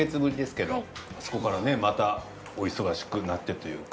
そこからねまたお忙しくなってというか。